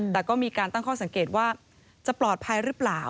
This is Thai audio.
แต่ก็มีการตั้งข้อสังเกตว่าจะปลอดภัยหรือเปล่า